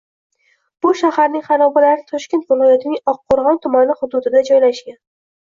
Bu shaharning xarobalari Toshkent viloyatining Oqqo‘rg‘on tumani hududida joylashgan.